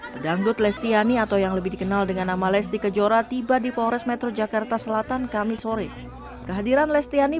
pedanggut lestiani atau yang lebih dikenal dengan nama lesti kejora tiba di polres metro jakarta